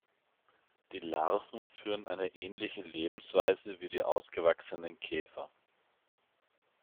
Die Larven führen eine ähnliche Lebensweise wie die ausgewachsenen Käfer.